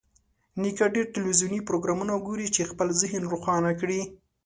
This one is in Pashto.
نیکه ډېر تلویزیوني پروګرامونه ګوري چې خپل ذهن روښانه کړي.